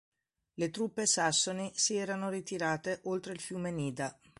Le truppe sassoni si erano ritirate oltre il fiume Nida.